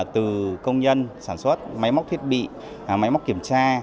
từ công nhân sản xuất máy móc thiết bị máy móc kiểm tra